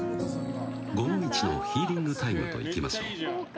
午後一のヒーリングタイムといきましょう。